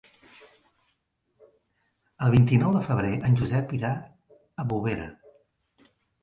El vint-i-nou de febrer en Josep irà a Bovera.